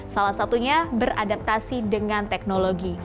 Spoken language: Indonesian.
salah satunya beradaptasi dengan teknologi